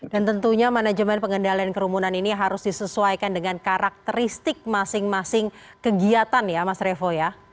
dan tentunya manajemen pengendalian kerumbunan ini harus disesuaikan dengan karakteristik masing masing kegiatan ya mas revo ya